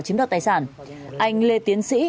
chiếm đoạt tài sản anh lê tiến sĩ